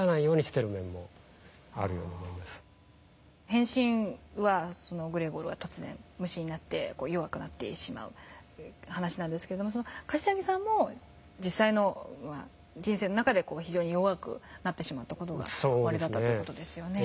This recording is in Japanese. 「変身」はグレーゴルは突然虫になって弱くなってしまう話なんですが頭木さんも実際の人生の中で非常に弱くなってしまった事がおありだったという事ですよね。